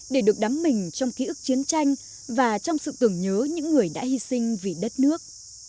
để được đắm mình trong ký ức chiến tranh và trong sự tưởng nhớ những người đã hy sinh vì đất nước